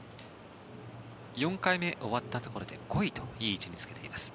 ４回目終わったところで５位といい位置につけています。